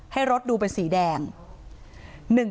ให้รถดูเป็นสีแดง